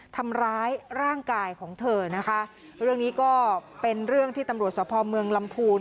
ทำร้ายร่างกายของเธอนะคะเรื่องนี้ก็เป็นเรื่องที่ตำรวจสภเมืองลำพูน